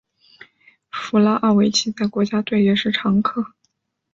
弗拉奥维奇在国家队也是常客。